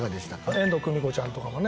遠藤久美子ちゃんとかもね